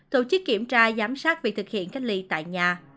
tổ chức kiểm tra giám sát việc thực hiện cách ly tại nhà